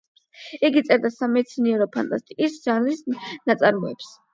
იგი წერდა სამეცნიერო ფანტასტიკის ჟანრის ნაწარმოებს.